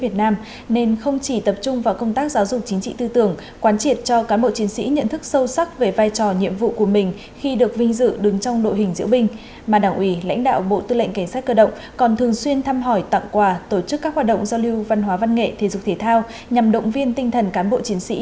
tổ chức các hoạt động giao lưu văn hóa văn nghệ thể dục thể thao nhằm động viên tinh thần cán bộ chiến sĩ